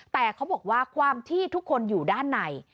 แต่เขาบอกว่าความที่ทุกคนอยู่ด้านใน